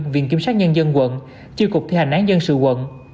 viện kiểm soát nhân dân quận chiêu cục thi hành án dân sự quận